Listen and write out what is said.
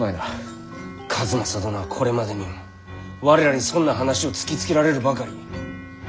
数正殿はこれまでにも我らに損な話を突きつけられるばかり。